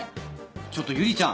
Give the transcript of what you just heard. ちょっと友里ちゃん